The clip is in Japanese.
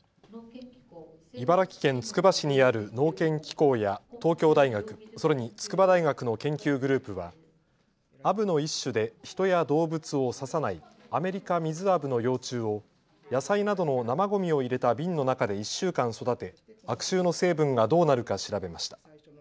茨城県つくば市にある農研機構や東京大学、それに筑波大学の研究グループはアブの一種で人や動物を刺さないアメリカミズアブの幼虫を野菜などの生ごみを入れた瓶の中で１週間育て、悪臭の成分がどうなるか調べました。